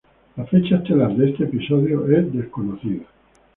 La fecha estelar de este episodio es desconocida.